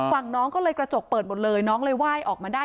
น้องก็เลยกระจกเปิดหมดเลยน้องเลยไหว้ออกมาได้